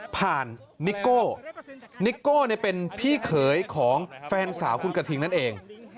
นิโก้นิโก้เป็นพี่เขยของแฟนสาวคุณกระทิงนั่นเอง